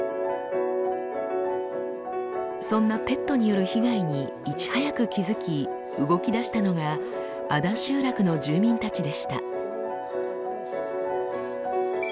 そんなペットによる被害にいち早く気付き動きだしたのが安田集落の住民たちでした。